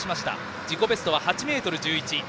自己ベストは８ｍ１１。